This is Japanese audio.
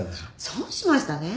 損しましたね。